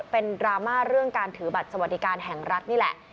เป็นดราม่าเรื่องการถือบัตรสวัสดิการแห่งรัฐนี่แหละ